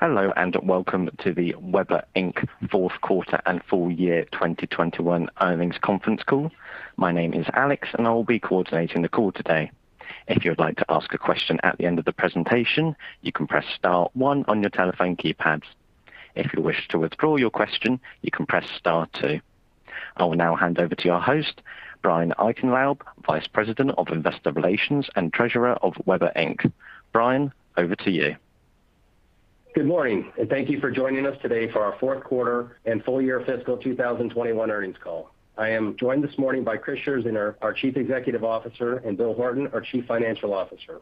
Hello, and welcome to the Weber Inc. Q4 and full year 2021 earnings conference call. My name is Alex and I will be coordinating the call today. If you'd like to ask a question at the end of the presentation, you can press star one on your telephone keypads. If you wish to withdraw your question, you can press star two. I will now hand over to your host, Brian Eichenlaub, Vice President of Investor Relations and Treasurer of Weber Inc. Brian, over to you. Good morning, and thank you for joining us today for our fourth quarter and full year fiscal 2021 earnings call. I am joined this morning by Chris Scherzinger, our Chief Executive Officer, and Bill Horton, our Chief Financial Officer.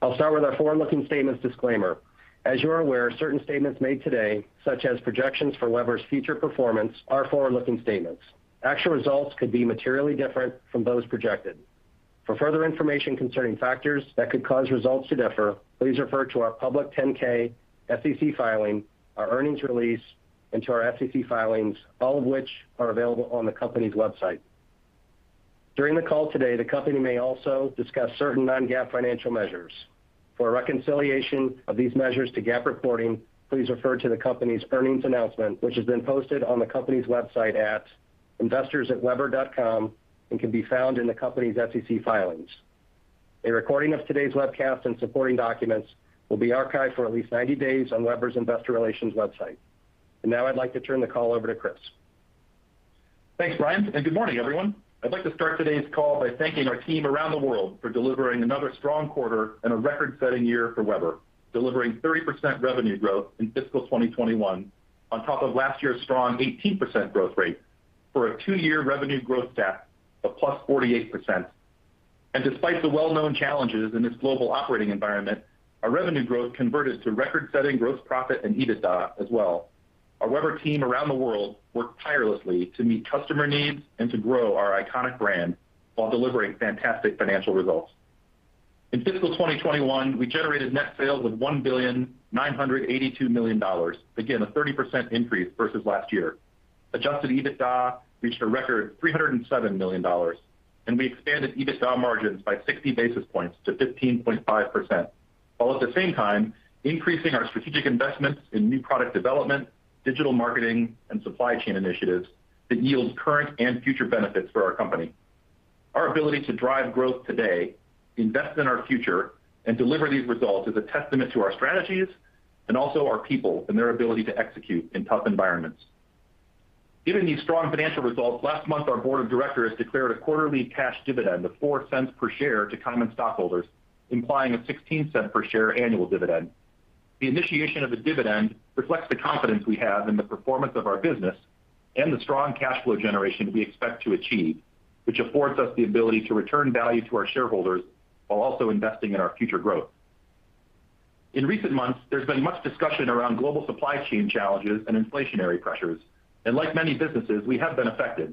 I'll start with our forward-looking statements disclaimer. As you are aware, certain statements made today, such as projections for Weber's future performance, are forward-looking statements. Actual results could be materially different from those projected. For further information concerning factors that could cause results to differ, please refer to our public 10-K SEC filing, our earnings release, and to our SEC filings, all of which are available on the company's website. During the call today, the company may also discuss certain non-GAAP financial measures. For a reconciliation of these measures to GAAP reporting, please refer to the company's earnings announcement, which has been posted on the company's website at investors.weber.com and can be found in the company's SEC filings. A recording of today's webcast and supporting documents will be archived for at least 90 days on Weber's Investor Relations website. Now I'd like to turn the call over to Chris. Thanks, Brian, and good morning, everyone. I'd like to start today's call by thanking our team around the world for delivering another strong quarter and a record-setting year for Weber, delivering 30% revenue growth in fiscal 2021 on top of last year's strong 18% growth rate for a two-year revenue growth stat of +48%. Despite the well-known challenges in this global operating environment, our revenue growth converted to record-setting gross profit and EBITDA as well. Our Weber team around the world worked tirelessly to meet customer needs and to grow our iconic brand while delivering fantastic financial results. In fiscal 2021, we generated net sales of $1.982 billion. Again, a 30% increase versus last year. Adjusted EBITDA reached a record $307 million, and we expanded EBITDA margins by 60 basis points to 15.5%, while at the same time increasing our strategic investments in new product development, digital marketing, and supply chain initiatives that yield current and future benefits for our company. Our ability to drive growth today, invest in our future, and deliver these results is a testament to our strategies and also our people and their ability to execute in tough environments. Given these strong financial results, last month our board of directors declared a quarterly cash dividend of $0.04 per share to common stockholders, implying a $0.16 per share annual dividend. The initiation of a dividend reflects the confidence we have in the performance of our business and the strong cash flow generation we expect to achieve, which affords us the ability to return value to our shareholders while also investing in our future growth. In recent months, there's been much discussion around global supply chain challenges and inflationary pressures, and like many businesses, we have been affected.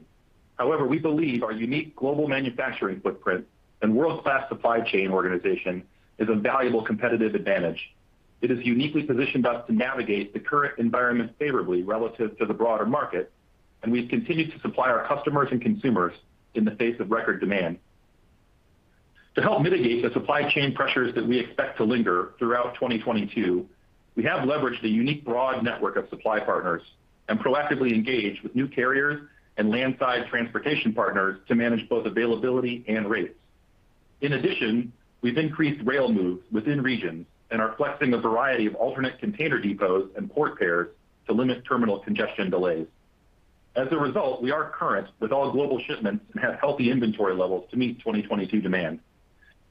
However, we believe our unique global manufacturing footprint and world-class supply chain organization is a valuable competitive advantage. It has uniquely positioned us to navigate the current environment favorably relative to the broader market, and we've continued to supply our customers and consumers in the face of record demand. To help mitigate the supply chain pressures that we expect to linger throughout 2022, we have leveraged the unique broad network of supply partners and proactively engaged with new carriers and landside transportation partners to manage both availability and rates. In addition, we've increased rail moves within regions and are flexing a variety of alternate container depots and port pairs to limit terminal congestion delays. As a result, we are current with all global shipments and have healthy inventory levels to meet 2022 demand.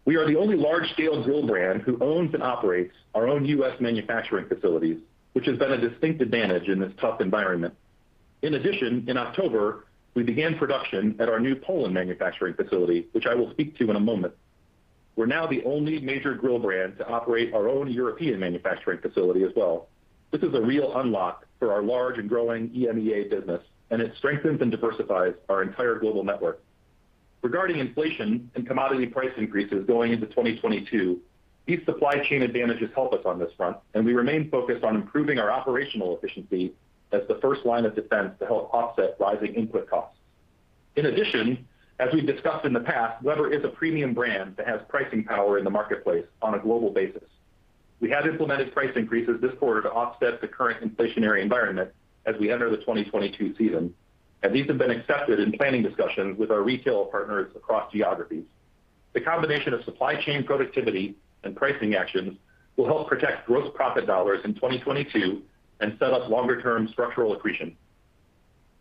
We are the only large-scale grill brand who owns and operates our own U.S. manufacturing facilities, which has been a distinct advantage in this tough environment. In addition, in October, we began production at our new Poland manufacturing facility, which I will speak to in a moment. We're now the only major grill brand to operate our own European manufacturing facility as well. This is a real unlock for our large and growing EMEA business, and it strengthens and diversifies our entire global network. Regarding inflation and commodity price increases going into 2022, these supply chain advantages help us on this front, and we remain focused on improving our operational efficiency as the first line of defense to help offset rising input costs. In addition, as we've discussed in the past, Weber is a premium brand that has pricing power in the marketplace on a global basis. We have implemented price increases this quarter to offset the current inflationary environment as we enter the 2022 season, and these have been accepted in planning discussions with our retail partners across geographies. The combination of supply chain productivity and pricing actions will help protect gross profit dollars in 2022 and set up longer term structural accretion.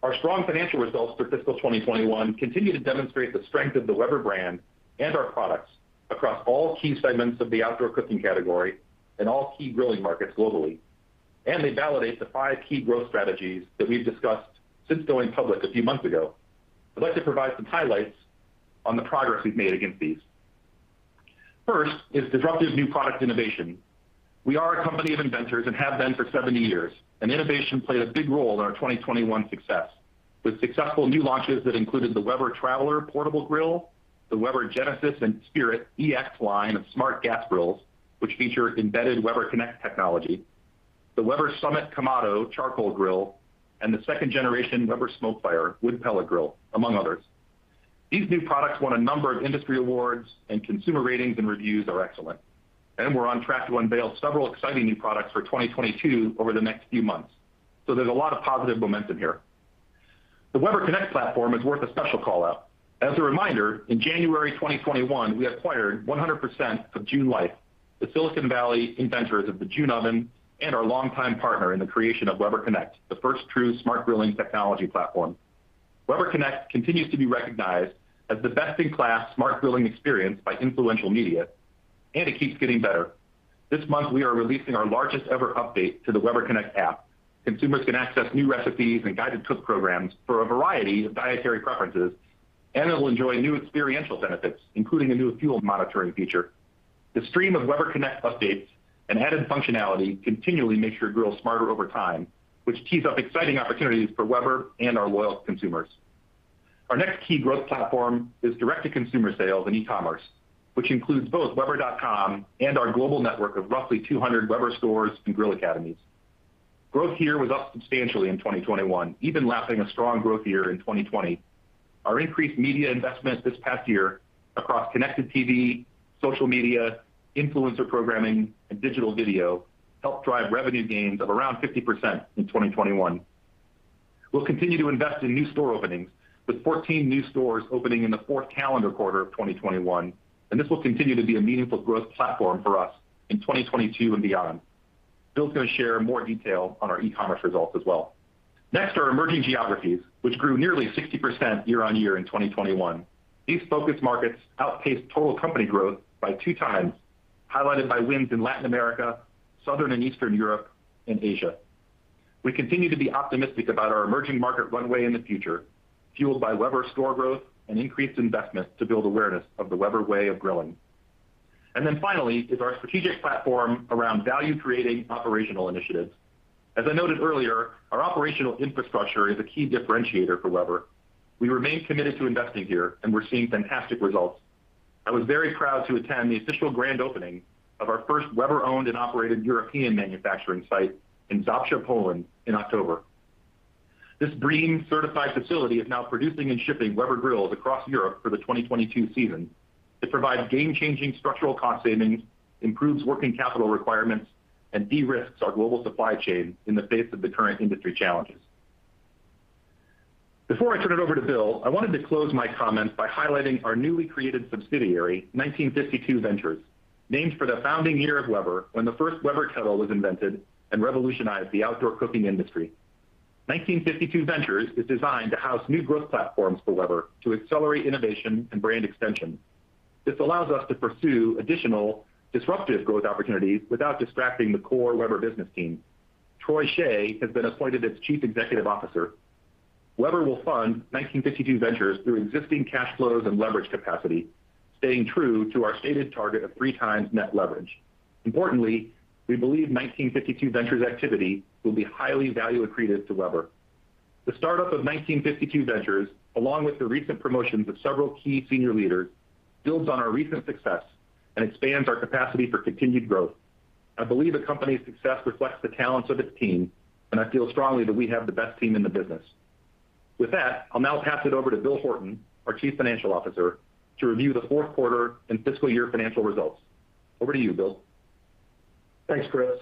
Our strong financial results for fiscal 2021 continue to demonstrate the strength of the Weber brand and our products across all key segments of the outdoor cooking category and all key grilling markets globally. They validate the five key growth strategies that we've discussed since going public a few months ago. I'd like to provide some highlights on the progress we've made against these. First is disruptive new product innovation. We are a company of inventors and have been for 70 years, and innovation played a big role in our 2021 success. With successful new launches that included the Weber Traveler Portable Grill, the Weber Genesis and Spirit EX line of smart gas grills, which feature embedded Weber Connect technology, the Weber Summit Kamado Charcoal Grill, and the second generation Weber SmokeFire Wood Pellet Grill, among others. These new products won a number of industry awards, and consumer ratings and reviews are excellent. We're on track to unveil several exciting new products for 2022 over the next few months. There's a lot of positive momentum here. The Weber Connect platform is worth a special call-out. As a reminder, in January 2021, we acquired 100% of June Life, the Silicon Valley inventors of the June Oven, and our longtime partner in the creation of Weber Connect, the first true smart grilling technology platform. Weber Connect continues to be recognized as the best in class smart grilling experience by influential media, and it keeps getting better. This month, we are releasing our largest ever update to the Weber Connect app. Consumers can access new recipes and guided cook programs for a variety of dietary preferences, and it will enjoy new experiential benefits, including a new fuel monitoring feature. The stream of Weber Connect updates and added functionality continually makes your grill smarter over time, which tees up exciting opportunities for Weber and our loyal consumers. Our next key growth platform is direct-to-consumer sales and e-commerce, which includes both weber.com and our global network of roughly 200 Weber stores and Grill Academies. Growth here was up substantially in 2021, even lapping a strong growth year in 2020. Our increased media investment this past year across connected TV, social media, influencer programming, and digital video helped drive revenue gains of around 50% in 2021. We'll continue to invest in new store openings, with 14 new stores opening in the fourth calendar quarter of 2021, and this will continue to be a meaningful growth platform for us in 2022 and beyond. Bill's gonna share more detail on our e-commerce results as well. Next, our emerging geographies, which grew nearly 60% year-on-year in 2021. These focused markets outpaced total company growth by two times, highlighted by wins in Latin America, Southern and Eastern Europe, and Asia. We continue to be optimistic about our emerging market runway in the future, fueled by Weber store growth and increased investment to build awareness of the Weber way of grilling. Finally is our strategic platform around value creating operational initiatives. As I noted earlier, our operational infrastructure is a key differentiator for Weber. We remain committed to investing here, and we're seeing fantastic results. I was very proud to attend the official grand opening of our first Weber owned and operated European manufacturing site in Zabrze, Poland in October. This BREEAM certified facility is now producing and shipping Weber grills across Europe for the 2022 season. It provides game changing structural cost savings, improves working capital requirements, and de-risks our global supply chain in the face of the current industry challenges. Before I turn it over to Bill, I wanted to close my comments by highlighting our newly created subsidiary, 1952 Ventures, named for the founding year of Weber when the first Weber kettle was invented and revolutionized the outdoor cooking industry. 1952 Ventures is designed to house new growth platforms for Weber to accelerate innovation and brand extension. This allows us to pursue additional disruptive growth opportunities without distracting the core Weber business team. Troy Shay has been appointed as Chief Executive Officer. Weber will fund 1952 Ventures through existing cash flows and leverage capacity, staying true to our stated target of three times net leverage. Importantly, we believe 1952 Ventures activity will be highly value accretive to Weber. The startup of 1952 Ventures, along with the recent promotions of several key senior leaders, builds on our recent success and expands our capacity for continued growth. I believe a company's success reflects the talents of its team, and I feel strongly that we have the best team in the business. With that, I'll now pass it over to Bill Horton, our Chief Financial Officer, to review the Q4 and fiscal year financial results. Over to you, Bill. Thanks, Chris.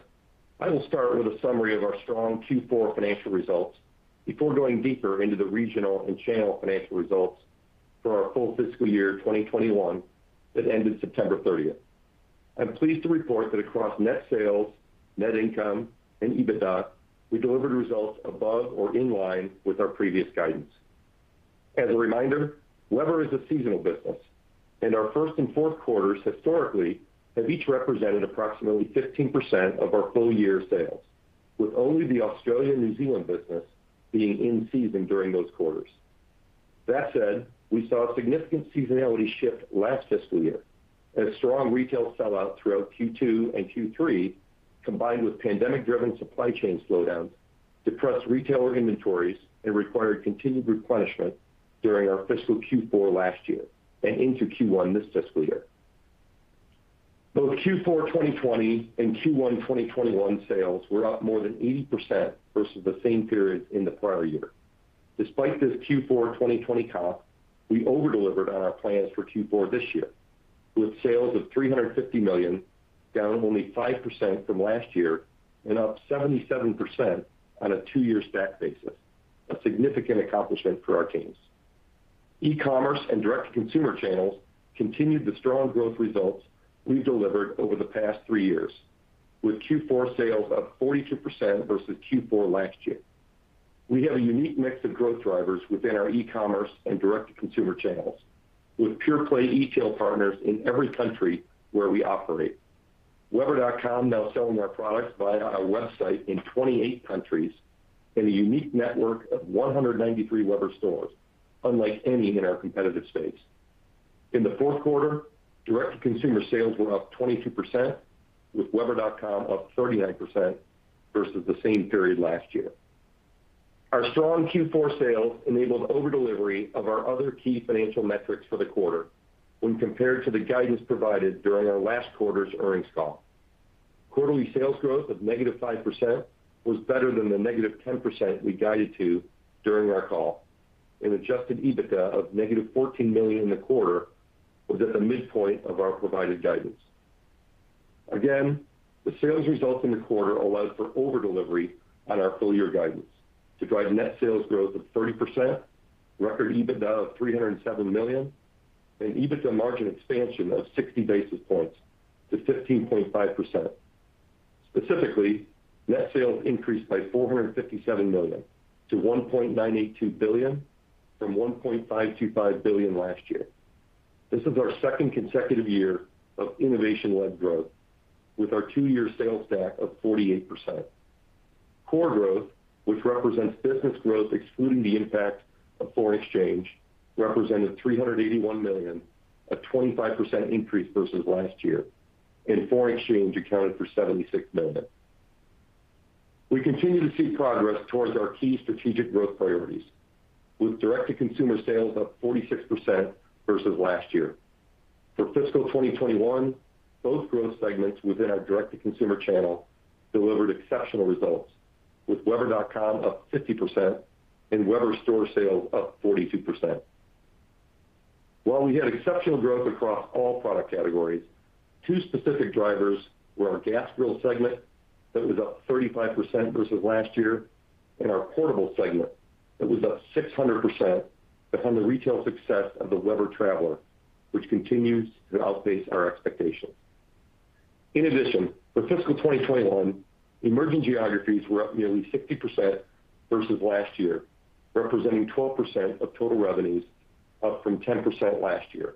I will start with a summary of our strong Q4 financial results before going deeper into the regional and channel financial results for our full fiscal year 2021 that ended September 30. I'm pleased to report that across net sales, net income, and EBITDA, we delivered results above or in line with our previous guidance. As a reminder, Weber is a seasonal business, and our first and fourth quarters historically have each represented approximately 15% of our full year sales, with only the Australia and New Zealand business being in season during those quarters. That said, we saw a significant seasonality shift last fiscal year as strong retail sell out throughout Q2 and Q3, combined with pandemic driven supply chain slowdowns, depressed retailer inventories, and required continued replenishment during our fiscal Q4 last year and into Q1 this fiscal year. Both Q4 2020 and Q1 2021 sales were up more than 80% versus the same period in the prior year. Despite this Q4 2020 comp, we over-delivered on our plans for Q4 this year, with sales of $350 million, down only 5% from last year and up 77% on a two-year stack basis, a significant accomplishment for our teams. E-commerce and direct to consumer channels continued the strong growth results we've delivered over the past three years, with Q4 sales up 42% versus Q4 last year. We have a unique mix of growth drivers within our e-commerce and direct to consumer channels, with pure play e-tail partners in every country where we operate. weber.com now selling our products via our website in 28 countries and a unique network of 193 Weber stores, unlike any in our competitive space. In the Q4, direct to consumer sales were up 22%, with weber.com up 39% versus the same period last year. Our strong Q4 sales enabled over delivery of our other key financial metrics for the quarter when compared to the guidance provided during our last quarter's earnings call. Quarterly sales growth of -5% was better than the -10% we guided to during our call. An adjusted EBITDA of -$14 million in the quarter was at the midpoint of our provided guidance. Again, the sales results in the quarter allows for over delivery on our full year guidance to drive net sales growth of 30%, record EBITDA of $307 million, and EBITDA margin expansion of 60 basis points to 15.5%. Specifically, net sales increased by $457 million to $1.982 billion from $1.525 billion last year. This is our second consecutive year of innovation-led growth with our two-year sales stack of 48%. Core growth, which represents business growth excluding the impact of foreign exchange, represented $381 million, a 25% increase versus last year, and foreign exchange accounted for $76 million. We continue to see progress towards our key strategic growth priorities, with direct-to-consumer sales up 46% versus last year. For fiscal 2021, both growth segments within our direct-to-consumer channel delivered exceptional results, with weber.com up 50% and Weber Store sales up 42%. While we had exceptional growth across all product categories, two specific drivers were our gas grill segment that was up 35% versus last year and our portable segment that was up 600% on the retail success of the Weber Traveler, which continues to outpace our expectations. In addition, for fiscal 2021, emerging geographies were up nearly 60% versus last year, representing 12% of total revenues, up from 10% last year.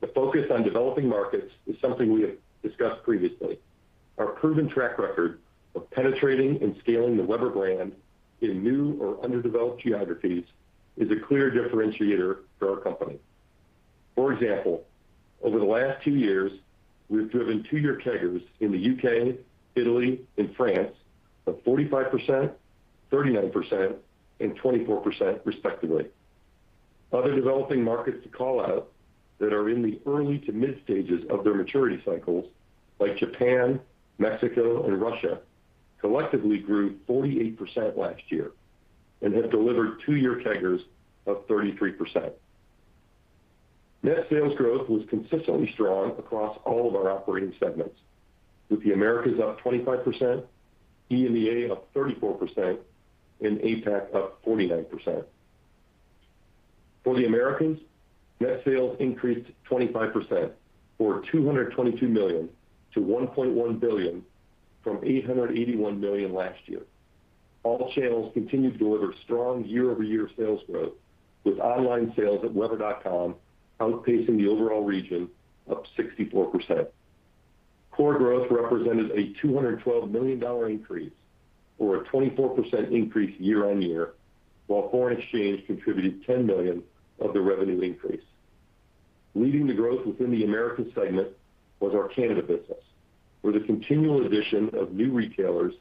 The focus on developing markets is something we have discussed previously. Our proven track record of penetrating and scaling the Weber brand in new or underdeveloped geographies is a clear differentiator for our company. For example, over the last two years, we've driven two-year CAGRs in the U.K., Italy, and France of 45%, 39%, and 24% respectively. Other developing markets to call out that are in the early to mid stages of their maturity cycles, like Japan, Mexico, and Russia, collectively grew 48% last year and have delivered two-year CAGRs of 33%. Net sales growth was consistently strong across all of our operating segments, with the Americas up 25%, EMEA up 34%, and APAC up 49%. For the Americas, net sales increased 25% or $222 million to $1.1 billion from $881 million last year. All channels continued to deliver strong year-over-year sales growth, with online sales at weber.com outpacing the overall region up 64%. Core growth represented a $212 million increase or a 24% increase year-on-year, while foreign exchange contributed $10 million of the revenue increase. Leading the growth within the Americas segment was our Canada business, where the continual addition of new retailers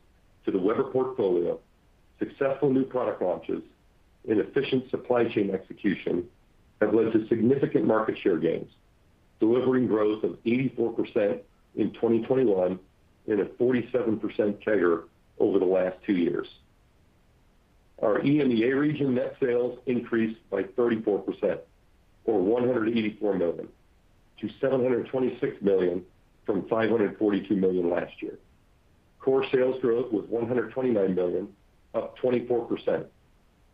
to the Weber portfolio, successful new product launches, and efficient supply chain execution have led to significant market share gains, delivering growth of 84% in 2021 and a 47% CAGR over the last two years. Our EMEA region net sales increased by 34% or $184 million to $726 million from $542 million last year. Core sales growth was $129 million, up 24%,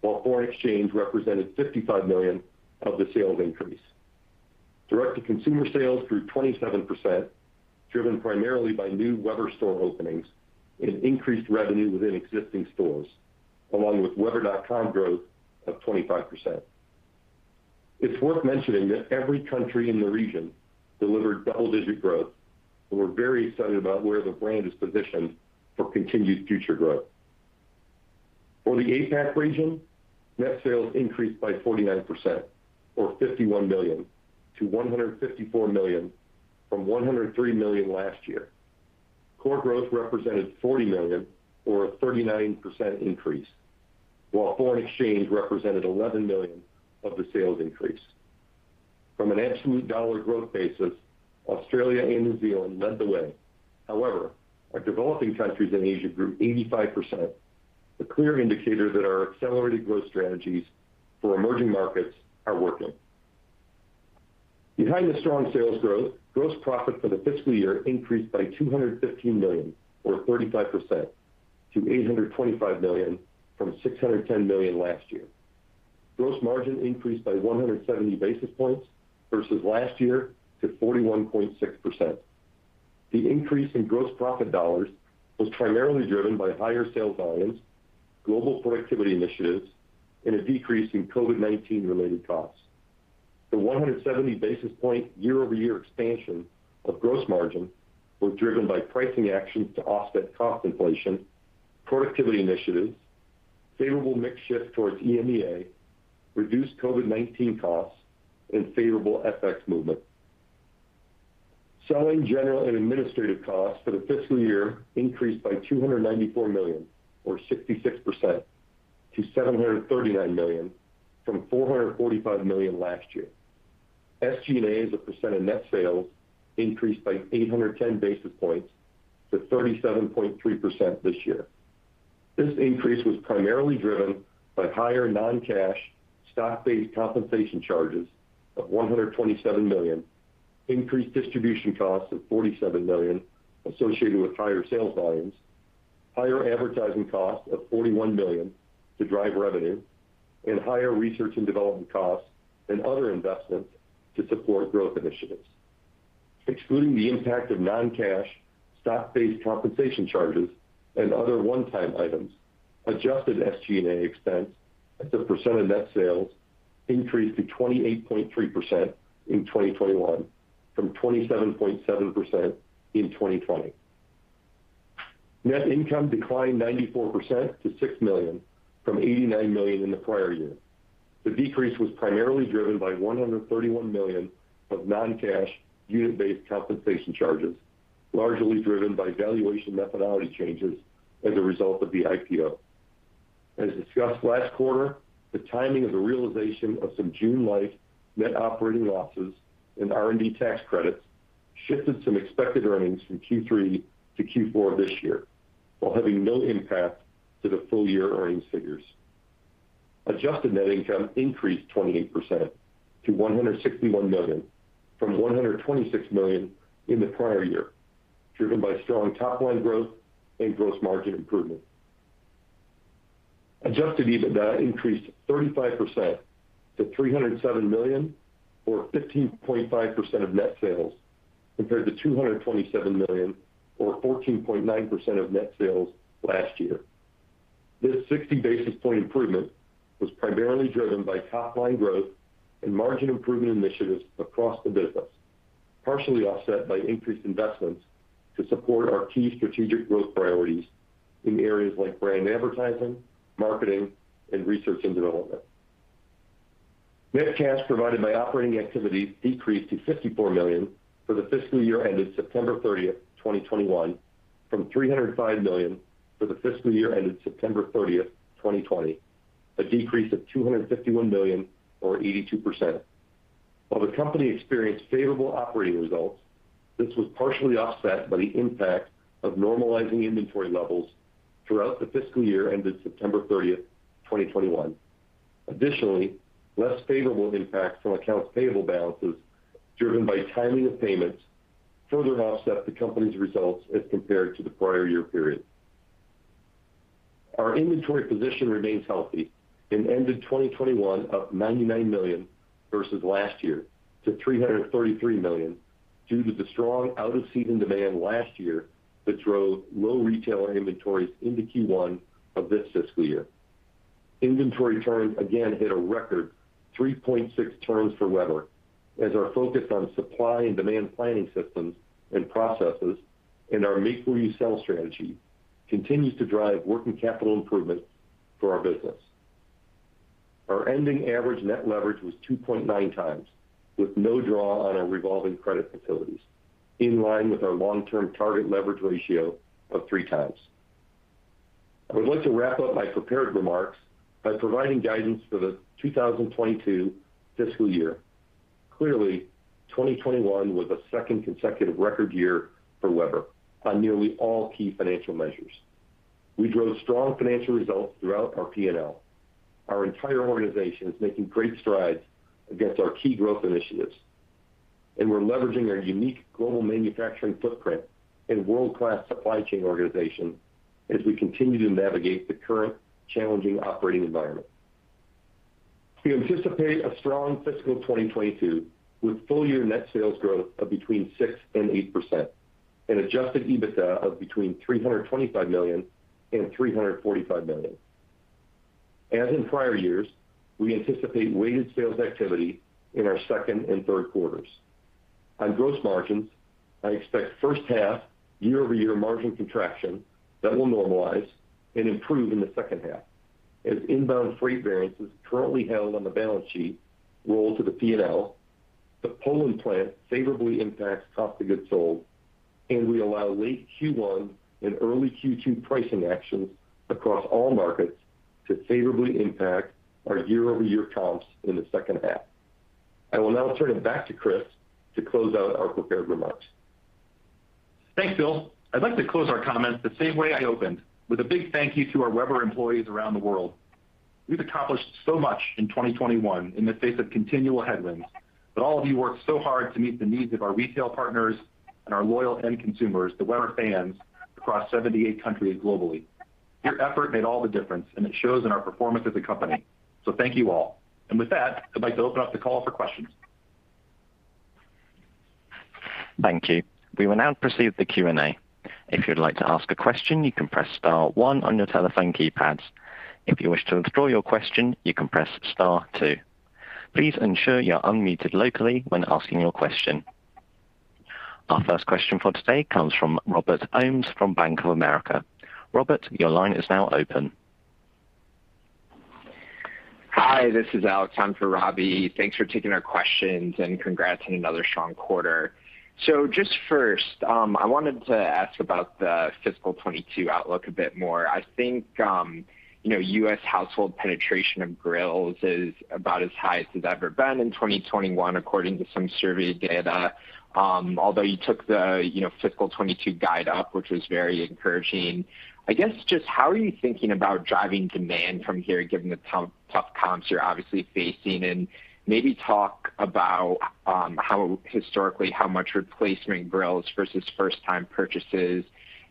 while foreign exchange represented $55 million of the sales increase. Direct-to-consumer sales grew 27%, driven primarily by new Weber Store openings and increased revenue within existing stores, along with weber.com growth of 25%. It's worth mentioning that every country in the region delivered double-digit growth, and we're very excited about where the brand is positioned for continued future growth. For the APAC region, net sales increased by 49% or $51 million to $154 million from $103 million last year. Core growth represented $40 million or a 39% increase, while foreign exchange represented $11 million of the sales increase. From an absolute dollar growth basis, Australia and New Zealand led the way. However, our developing countries in Asia grew 85%, a clear indicator that our accelerated growth strategies for emerging markets are working. Behind the strong sales growth, gross profit for the fiscal year increased by $215 million or 35% to $825 million from $610 million last year. Gross margin increased by 170 basis points versus last year to 41.6%. The increase in gross profit dollars was primarily driven by higher sales volumes, global productivity initiatives, and a decrease in COVID-19 related costs. The 170 basis point year-over-year expansion of gross margin was driven by pricing actions to offset cost inflation, productivity initiatives, favorable mix shift towards EMEA, reduced COVID-19 costs, and favorable FX movement. Selling, general, and administrative costs for the fiscal year increased by $294 million or 66% to $739 million from $445 million last year. SG&A as a percent of net sales increased by 810 basis points to 37.3% this year. This increase was primarily driven by higher non-cash stock-based compensation charges of $127 million, increased distribution costs of $47 million associated with higher sales volumes, higher advertising costs of $41 million to drive revenue, and higher research and development costs and other investments to support growth initiatives. Excluding the impact of non-cash stock-based compensation charges and other one-time items, adjusted SG&A expense as a percent of net sales increased to 28.3% in 2021 from 27.7% in 2020. Net income declined 94% to $6 million from $89 million in the prior year. The decrease was primarily driven by $131 million of non-cash unit-based compensation charges, largely driven by valuation methodology changes as a result of the IPO. As discussed last quarter, the timing of the realization of some June Life net operating losses and R&D tax credits shifted some expected earnings from Q3- Q4 this year, while having no impact to the full year earnings figures. Adjusted net income increased 28% to $161 million from $126 million in the prior year, driven by strong top line growth and gross margin improvement. Adjusted EBITDA increased 35%-$307 million or 15.5% of net sales, compared to $227 million or 14.9% of net sales last year. This 60 basis points improvement was primarily driven by top line growth and margin improvement initiatives across the business, partially offset by increased investments to support our key strategic growth priorities in areas like brand advertising, marketing, and research and development. Net cash provided by operating activities decreased to $54 million for the fiscal year ended September 30, 2021, from $305 million for the fiscal year ended September 30, 2020, a decrease of $251 million or 82%. While the company experienced favorable operating results, this was partially offset by the impact of normalizing inventory levels throughout the fiscal year ended September 30, 2021. Additionally, less favorable impacts on accounts payable balances driven by timing of payments further offset the company's results as compared to the prior year period. Our inventory position remains healthy and ended 2021 up $99 million versus last year to $333 million due to the strong out of season demand last year that drove low retailer inventories into Q1 of this fiscal year. Inventory turns again hit a record 3.6 turns for Weber as our focus on supply and demand planning systems and processes and our make-to-sell strategy continues to drive working capital improvements for our business. Our ending average net leverage was 2.9 times, with no draw on our revolving credit facilities, in line with our long-term target leverage ratio of 3 times. I would like to wrap up my prepared remarks by providing guidance for the 2022 fiscal year. Clearly, 2021 was a second consecutive record year for Weber on nearly all key financial measures. We drove strong financial results throughout our P&L. Our entire organization is making great strides against our key growth initiatives, and we're leveraging our unique global manufacturing footprint and world-class supply chain organization as we continue to navigate the current challenging operating environment. We anticipate a strong fiscal 2022 with full year net sales growth of between 6% and 8% and adjusted EBITDA of between $325 million and $345 million. As in prior years, we anticipate weighted sales activity in our second and third quarters. On gross margins, I expect first half year-over-year margin contraction that will normalize and improve in the second half as inbound freight variances currently held on the balance sheet roll to the P&L, the Poland plant favorably impacts cost of goods sold, and we allow late Q1 and early Q2 pricing actions across all markets to favorably impact our year-over-year comps in the second half. I will now turn it back to Chris to close out our prepared remarks. Thanks, Bill. I'd like to close our comments the same way I opened, with a big thank you to our Weber employees around the world. We've accomplished so much in 2021 in the face of continual headwinds, but all of you worked so hard to meet the needs of our retail partners and our loyal end consumers, the Weber fans across 78 countries globally. Your effort made all the difference, and it shows in our performance as a company. Thank you all. With that, I'd like to open up the call for questions. Thank you. We will now proceed with the Q&A. If you'd like to ask a question, you can press star one on your telephone keypads. If you wish to withdraw your question, you can press star two. Please ensure you're unmuted locally when asking your question. Our first question for today comes from Robert Ohmes from Bank of America. Robert, your line is now open. Hi, this is Alex. I'm for Robbie. Thanks for taking our questions, and congrats on another strong quarter. Just first, I wanted to ask about the fiscal 2022 outlook a bit more. I think, you know, U.S. household penetration of grills is about as high as it's ever been in 2021 according to some survey data, although you took the, you know, fiscal 2022 guide up, which was very encouraging. I guess just how are you thinking about driving demand from here, given the tough comps you're obviously facing? And maybe talk about, how historically how much replacement grills versus first time purchases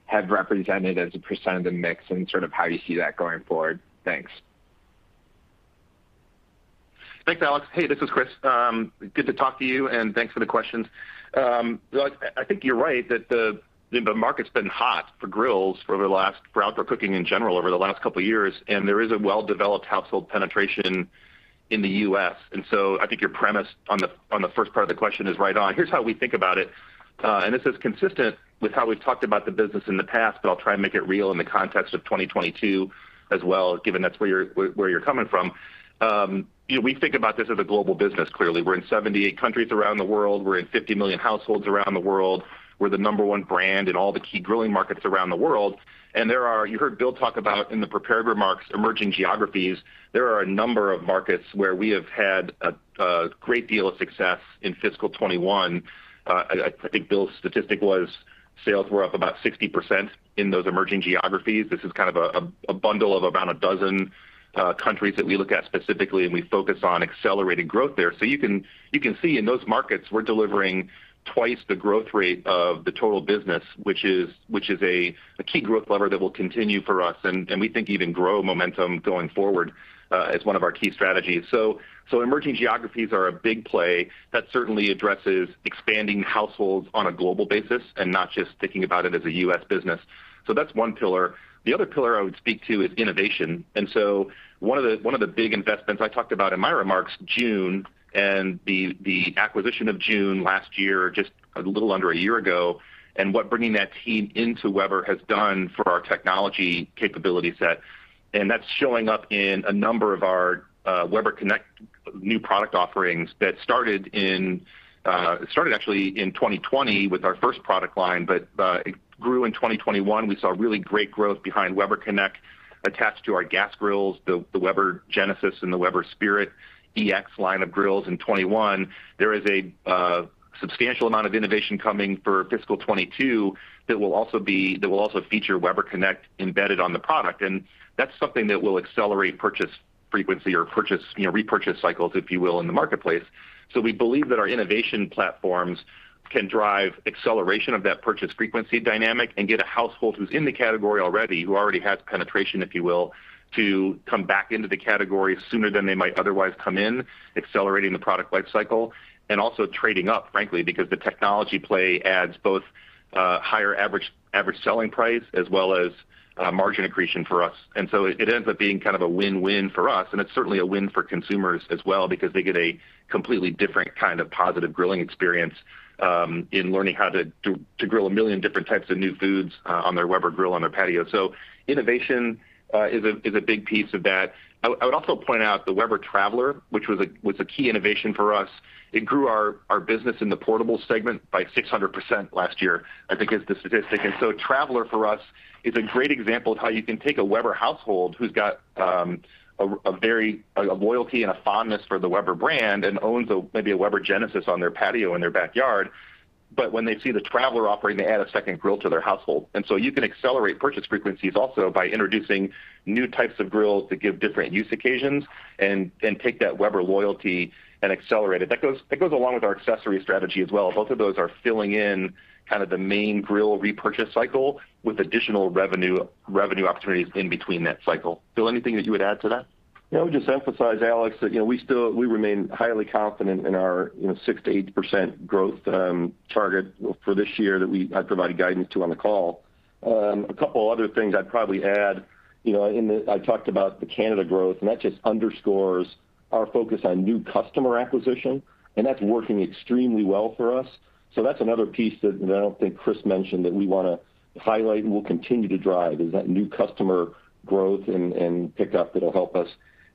have represented as a % of the mix and sort of how you see that going forward. Thanks. Thanks, Alex. Hey, this is Chris. Good to talk to you, and thanks for the questions. Look, I think you're right that the market's been hot for grills for outdoor cooking in general over the last couple years, and there is a well-developed household penetration in the U.S. I think your premise on the first part of the question is right on. Here's how we think about it, and this is consistent with how we've talked about the business in the past, but I'll try and make it real in the context of 2022 as well, given that's where you're coming from. You know, we think about this as a global business, clearly. We're in 78 countries around the world. We're in 50 million households around the world. We're the number one brand in all the key grilling markets around the world. You heard Bill talk about emerging geographies in the prepared remarks. There are a number of markets where we have had a great deal of success in fiscal 2021. I think Bill's statistic was sales were up about 60% in those emerging geographies. This is kind of a bundle of around a dozen countries that we look at specifically, and we focus on accelerating growth there. You can see in those markets, we're delivering twice the growth rate of the total business, which is a key growth lever that will continue for us and we think even grow momentum going forward, as one of our key strategies. Emerging geographies are a big play that certainly addresses expanding households on a global basis and not just thinking about it as a U.S. business. That's one pillar. The other pillar I would speak to is innovation. One of the big investments I talked about in my remarks, June and the acquisition of June last year, just a little under a year ago, and what bringing that team into Weber has done for our technology capability set. That's showing up in a number of our Weber Connect new product offerings that started actually in 2020 with our first product line, but it grew in 2021. We saw really great growth behind Weber Connect attached to our gas grills, the Weber Genesis and the Weber Spirit EX line of grills in 2021. There is a substantial amount of innovation coming for fiscal 2022 that will also feature Weber Connect embedded on the product, and that's something that will accelerate purchase frequency or purchase, you know, repurchase cycles, if you will, in the marketplace. We believe that our innovation platforms can drive acceleration of that purchase frequency dynamic and get a household who's in the category already, who already has penetration, if you will, to come back into the category sooner than they might otherwise come in, accelerating the product life cycle, and also trading up, frankly, because the technology play adds both higher average selling price as well as margin accretion for us. It ends up being kind of a win-win for us, and it's certainly a win for consumers as well because they get a completely different kind of positive grilling experience in learning how to grill a million different types of new foods on their Weber grill on their patio. Innovation is a big piece of that. I would also point out the Weber Traveler, which was a key innovation for us. It grew our business in the portable segment by 600% last year, I think is the statistic. Traveler for us is a great example of how you can take a Weber household who's got a very loyalty and a fondness for the Weber brand and owns maybe a Weber Genesis on their patio in their backyard, but when they see the Traveler offering, they add a second grill to their household. You can accelerate purchase frequencies also by introducing new types of grills that give different use occasions and take that Weber loyalty and accelerate it. That goes along with our accessory strategy as well. Both of those are filling in kind of the main grill repurchase cycle with additional revenue opportunities in between that cycle. Bill, anything that you would add to that? Yeah. I would just emphasize, Alex, that, you know, we remain highly confident in our, you know, 6%-8% growth target for this year that I provided guidance to on the call. A couple other things I'd probably add, you know, I talked about the Canada growth, and that just underscores our focus on new customer acquisition, and that's working extremely well for us. That's another piece that I don't think Chris mentioned that we want to highlight and we'll continue to drive is that new customer growth and pickup that'll help us.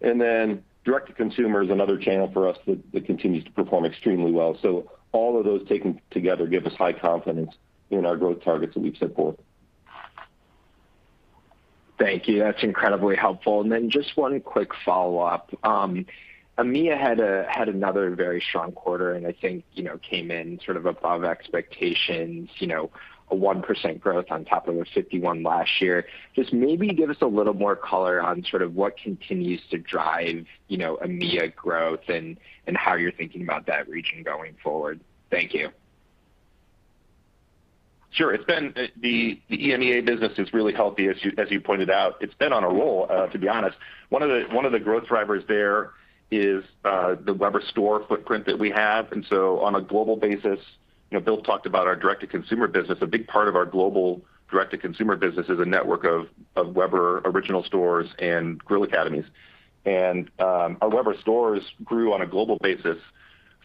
Then direct to consumer is another channel for us that continues to perform extremely well. All of those taken together give us high confidence in our growth targets that we've set forth. Thank you. That's incredibly helpful. Then just one quick follow-up. EMEA had another very strong quarter and I think, you know, came in sort of above expectations, you know, a 1% growth on top of the 51% last year. Just maybe give us a little more color on sort of what continues to drive, you know, EMEA growth and how you're thinking about that region going forward. Thank you. Sure. It's been the EMEA business is really healthy as you pointed out. It's been on a roll to be honest. One of the growth drivers there is the Weber store footprint that we have. On a global basis, you know, Bill talked about our direct to consumer business. A big part of our global direct to consumer business is a network of Weber original stores and Grill Academies. Our Weber stores grew on a global basis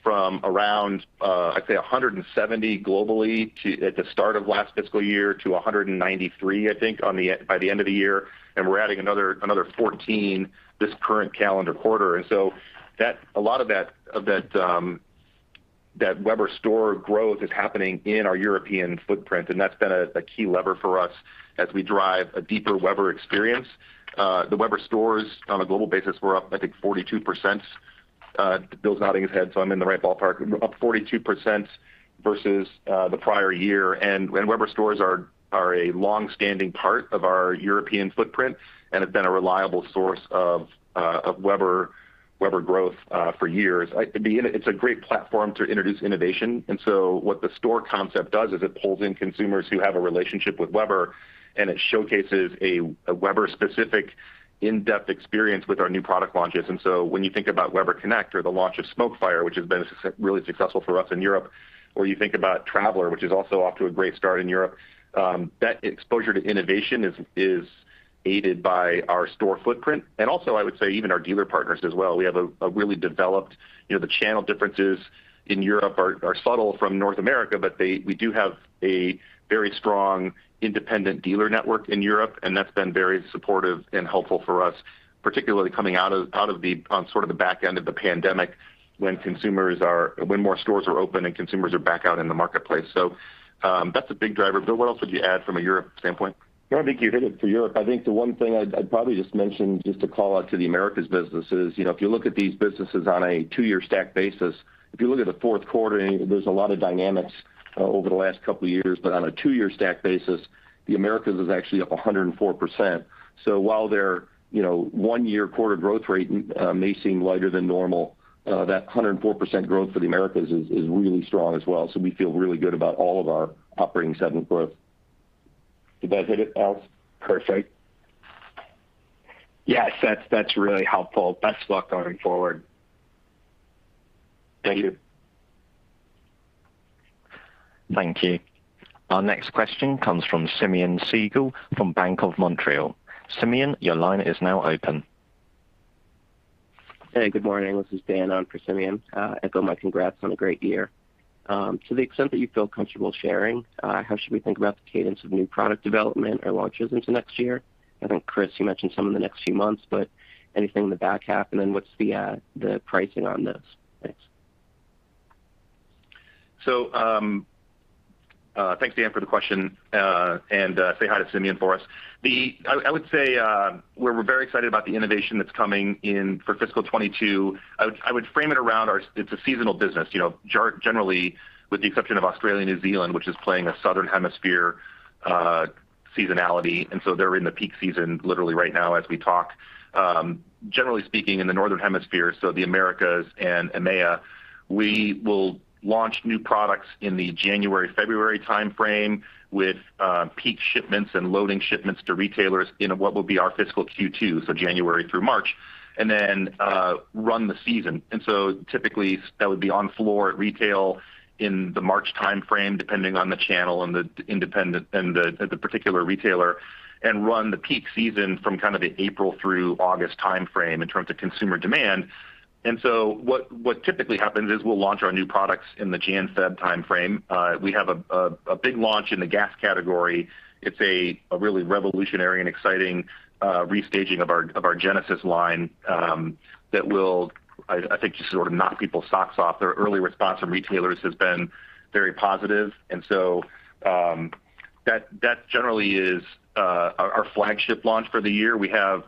from around, I'd say, 170 globally at the start of last fiscal year to 193, I think, by the end of the year, and we're adding another 14 this current calendar quarter. A lot of that Weber store growth is happening in our European footprint, and that's been a key lever for us as we drive a deeper Weber experience. The Weber stores on a global basis were up, I think 42%. Bill's nodding his head, so I'm in the right ballpark. Up 42% versus the prior year. Weber stores are a long-standing part of our European footprint and have been a reliable source of Weber growth for years. It's a great platform to introduce innovation. What the store concept does is it pulls in consumers who have a relationship with Weber, and it showcases a Weber specific in-depth experience with our new product launches. When you think about Weber Connect or the launch of SmokeFire, which has been really successful for us in Europe, or you think about Traveler, which is also off to a great start in Europe, that exposure to innovation is aided by our store footprint. I would say even our dealer partners as well. We have a really developed, you know, the channel differences in Europe are subtle from North America, but we do have a very strong independent dealer network in Europe, and that's been very supportive and helpful for us, particularly coming out of the back end of the pandemic when more stores are open and consumers are back out in the marketplace. That's a big driver. Bill, what else would you add from a Europe standpoint? No, I think you hit it for Europe. I think the one thing I'd probably just mention, just to call out to the Americas businesses, you know, if you look at these businesses on a two-year stack basis, if you look at the Q4, and there's a lot of dynamics over the last couple of years, but on a two-year stack basis, the Americas is actually up 104%. So while their, you know, one year quarter growth rate may seem lighter than normal, that 104% growth for the Americas is really strong as well. So we feel really good about all of our operating segment growth. Did that hit it, Alex? Perfect. Yes. That's really helpful. Best of luck going forward. Thank you. Thank you. Our next question comes from Simeon Siegel from BMO Capital Markets. Simeon, your line is now open. Hey, good morning. This is Dan on for Simeon. Echo my congrats on a great year. To the extent that you feel comfortable sharing, how should we think about the cadence of new product development or launches into next year? I think, Chris, you mentioned some in the next few months, but anything in the back half, and then what's the pricing on those? Thanks. Thanks, Dan, for the question. Say hi to Simeon for us. I would say we're very excited about the innovation that's coming in for fiscal 2022. I would frame it around our seasonality. It's a seasonal business. You know, generally with the exception of Australia and New Zealand, which play in the Southern Hemisphere seasonality, and so they're in the peak season literally right now as we talk. Generally speaking, in the Northern Hemisphere, so the Americas and EMEA, we will launch new products in the January, February timeframe with peak shipments and loading shipments to retailers in what will be our fiscal Q2, so January through March, and then run the season. Typically that would be on floor at retail in the March timeframe, depending on the channel and the independent and the particular retailer, and run the peak season from kind of the April through August timeframe in terms of consumer demand. What typically happens is we'll launch our new products in the Jan/Feb timeframe. We have a big launch in the gas category. It's a really revolutionary and exciting restaging of our Genesis line that will, I think, just sort of knock people's socks off. There early response from retailers has been very positive. That generally is our flagship launch for the year. We have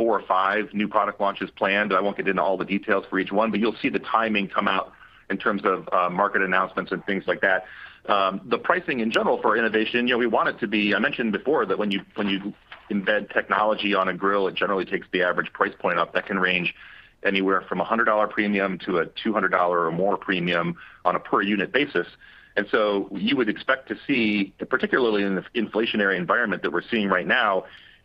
four or five new product launches planned. I won't get into all the details for each one, but you'll see the timing come out in terms of market announcements and things like that. The pricing in general for innovation, you know, we want it to be. I mentioned before that when you embed technology on a grill, it generally takes the average price point up. That can range anywhere from a $100 premium to a $200 or more premium on a per unit basis. You would expect to see, particularly in this inflationary environment that we're seeing right now,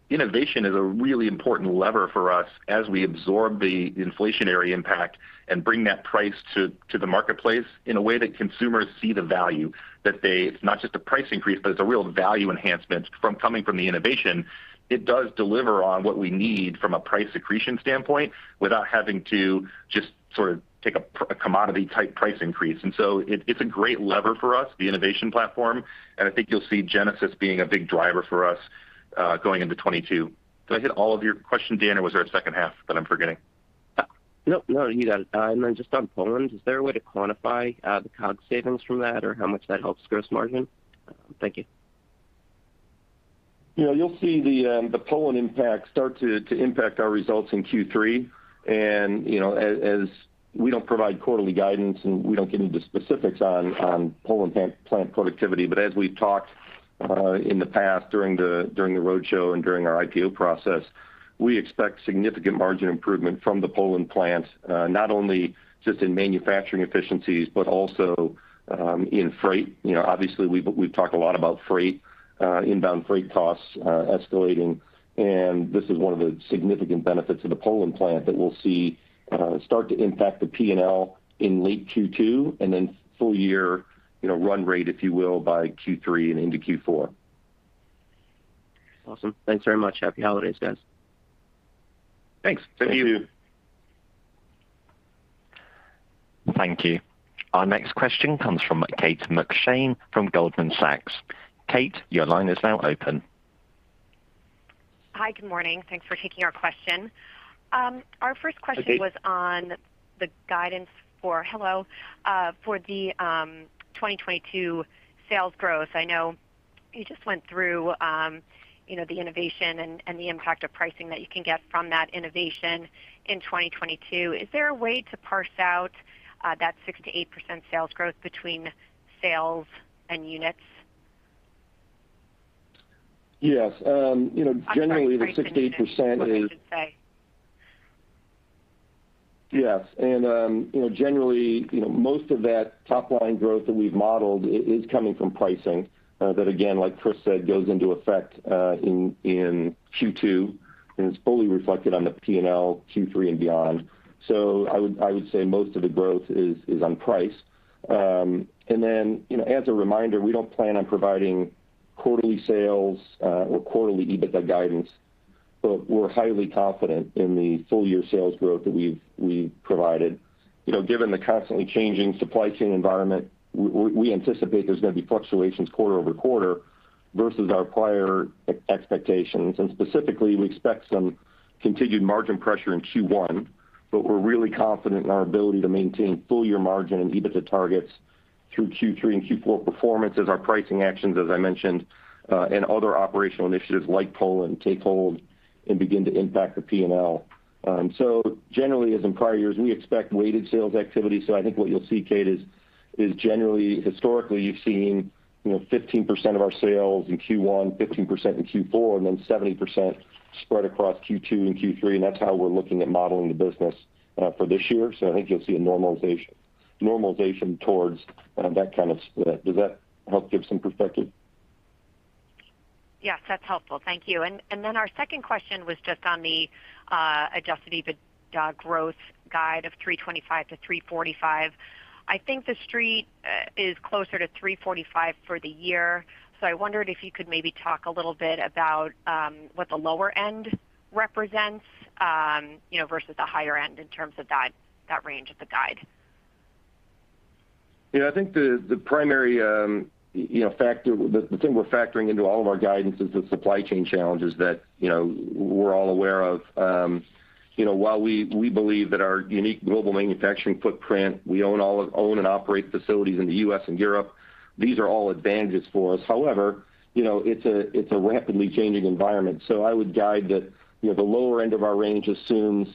innovation is a really important lever for us as we absorb the inflationary impact and bring that price to the marketplace in a way that consumers see the value, that it's not just a price increase, but it's a real value enhancement coming from the innovation. It does deliver on what we need from a price accretion standpoint without having to just sort of take a commodity type price increase. It's a great lever for us, the innovation platform, and I think you'll see Genesis being a big driver for us, going into 2022. Did I hit all of your question, Dan, or was there a second half that I'm forgetting? No, no, you got it. Just on Poland, is there a way to quantify the COGS savings from that or how much that helps gross margin? Thank you. You know, you'll see the Poland impact start to impact our results in Q3. You know, as we don't provide quarterly guidance, and we don't get into specifics on Poland plant productivity. As we've talked in the past during the roadshow and during our IPO process, we expect significant margin improvement from the Poland plant, not only just in manufacturing efficiencies, but also in freight. You know, obviously, we've talked a lot about freight, inbound freight costs escalating, and this is one of the significant benefits of the Poland plant that we'll see start to impact the P&L in late Q2 and then full year, you know, run rate, if you will, by Q3 and into Q4. Awesome. Thanks very much. Happy holidays, guys. Thanks. Thank you. Thank you. Thank you. Our next question comes from Kate McShane from Goldman Sachs. Kate, your line is now open. Hi. Good morning. Thanks for taking our question. Our first question- Okay. Hello. For the 2022 sales growth. I know you just went through, you know, the innovation and the impact of pricing that you can get from that innovation in 2022. Is there a way to parse out that 6%-8% sales growth between sales and units? Yes. You know, generally the 60% is. I'm sorry, can you just say? Yes. You know, generally, you know, most of that top line growth that we've modeled is coming from pricing, that again, like Chris said, goes into effect in Q2, and it's fully reflected on the P&L Q3 and beyond. I would say most of the growth is on price. You know, as a reminder, we don't plan on providing quarterly sales or quarterly EBITDA guidance. We're highly confident in the full year sales growth that we've provided. You know, given the constantly changing supply chain environment, we anticipate there's gonna be fluctuations quarter-over-quarter versus our prior expectations. Specifically, we expect some continued margin pressure in Q1, but we're really confident in our ability to maintain full year margin and EBITDA targets through Q3 and Q4 performance as our pricing actions, as I mentioned, and other operational initiatives like Poland take hold and begin to impact the P&L. Generally as in prior years, we expect weighted sales activity. I think what you'll see, Kate, is generally, historically, you've seen, you know, 15% of our sales in Q1, 15% in Q4, and then 70% spread across Q2 and Q3, and that's how we're looking at modeling the business, for this year. I think you'll see a normalization towards that kind of split. Does that help give some perspective? Yes, that's helpful. Thank you. our second question was just on the adjusted EBITDA growth guide of $325-$345. I think the Street is closer to $345 for the year. I wondered if you could maybe talk a little bit about what the lower end represents, you know, versus the higher end in terms of that range of the guide. You know, I think the primary factor. The thing we're factoring into all of our guidance is the supply chain challenges that you know we're all aware of. You know, while we believe that our unique global manufacturing footprint, we own all of—own and operate facilities in the U.S. and Europe, these are all advantages for us. However, you know, it's a rapidly changing environment. I would guide that you know the lower end of our range assumes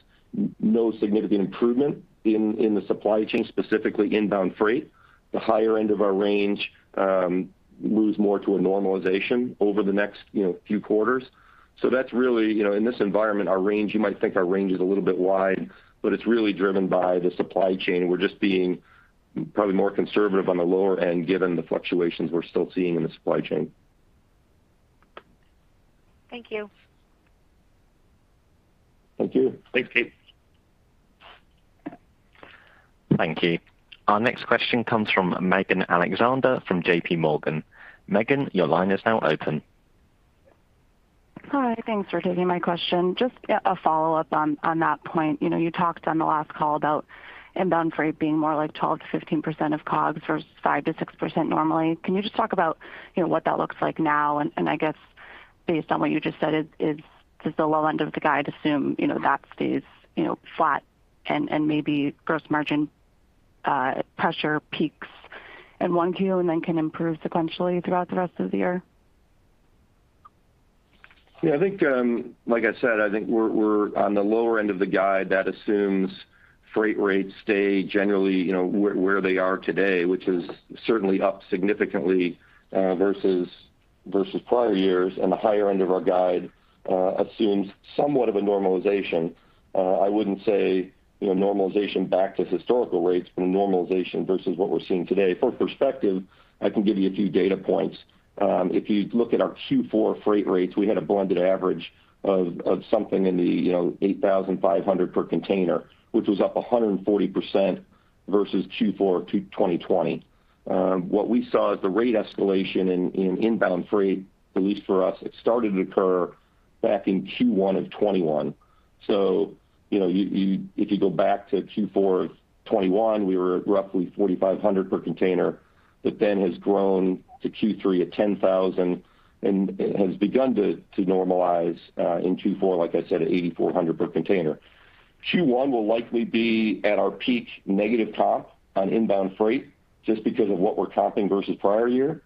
no significant improvement in the supply chain, specifically inbound freight. The higher end of our range moves more to a normalization over the next you know few quarters. That's really. You know, in this environment, our range, you might think our range is a little bit wide, but it's really driven by the supply chain. We're just being probably more conservative on the lower end given the fluctuations we're still seeing in the supply chain. Thank you. Thank you. Thanks, Kate. Thank you. Our next question comes from Megan Alexander from JPMorgan. Megan, your line is now open. Hi. Thanks for taking my question. Just a follow-up on that point. You know, you talked on the last call about inbound freight being more like 12%-15% of COGS versus 5%-6% normally. Can you just talk about, you know, what that looks like now? I guess based on what you just said, does the low end of the guide assume, you know, that stays flat and maybe gross margin pressure peaks in Q1 and then can improve sequentially throughout the rest of the year? Yeah, I think, like I said, I think we're on the lower end of the guide. That assumes freight rates stay generally, you know, where they are today, which is certainly up significantly versus prior years. The higher end of our guide assumes somewhat of a normalization. I wouldn't say, you know, normalization back to historical rates, but a normalization versus what we're seeing today. For perspective, I can give you a few data points. If you look at our Q4 freight rates, we had a blended average of something in the, you know, 8,500 per container, which was up 140% versus Q4 of 2020. What we saw is the rate escalation in inbound freight, at least for us, it started to occur back in Q1 of 2021. If you go back to Q4 of 2021, we were at roughly $4,500 per container. That then has grown to Q3 at $10,000 and has begun to normalize in Q4, like I said, at $8,400 per container. Q1 will likely be at our peak negative comp on inbound freight just because of what we're comping versus prior year.